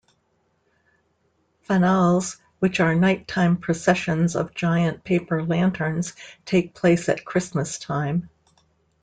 "Fanals", which are night-time processions of giant paper lanterns, take place at Christmas time.